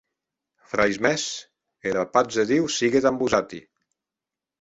Frairs mèns, era patz de Diu sigue damb vosati.